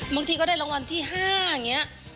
บางทีก็ได้รางวัลที่๕อย่างนี้